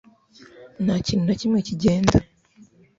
Nta kintu na kimwe kigenda